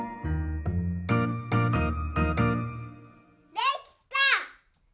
できた！